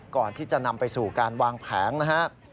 ก่อนที่จะนำไปสู่การวางแผงนะครับ